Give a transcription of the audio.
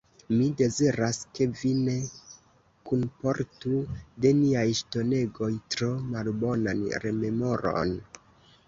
Mi deziras, ke vi ne kunportu de niaj ŝtonegoj tro malbonan rememoron.